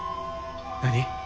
何？